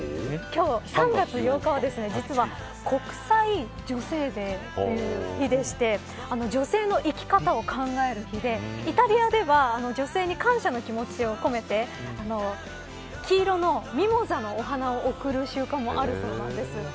今日３月８日は、実は国際女性デーという日でして女性の生き方を考える日でイタリアでは女性に感謝の気持ちを込めて黄色のミモザの花を贈る習慣もあるそうなんです。